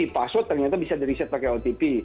password ternyata bisa di riset pakai otp